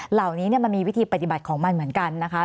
เหล่านี้มันมีวิธีปฏิบัติของมันเหมือนกันนะคะ